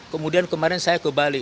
kemudian kemarin saya ke bali